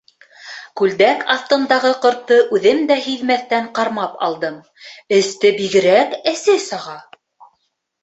Күлдәк аҫтындағы ҡортто үҙем дә һиҙмәҫтән ҡармап алдым, эсте бигерәк әсе саға.